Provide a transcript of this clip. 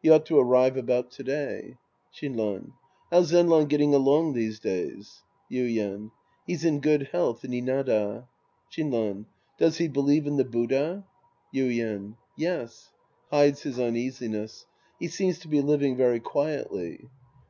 He ought to arrive about to day. Shinran. How's Zenran getting along these days ? Yuien. He's in good health in Inada. Shinran. Does he believe in the Buddha ? Yuien. Yes. {Hides his uneasiness.) He seems to be living very quietly.